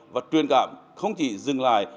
và truyền cảm không chỉ dừng lại